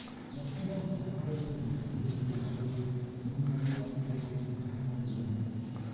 Las peras se suelen sumergir previamente en un medio ácido con zumo de limón.